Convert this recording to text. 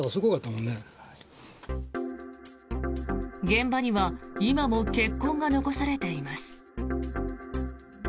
現場には今も血痕が残されています。